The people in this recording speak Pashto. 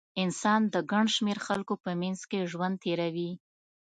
انسان د ګڼ شمېر خلکو په منځ کې ژوند تېروي.